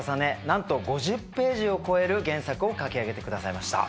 なんと５０ページを超える原作を描き上げて下さいました。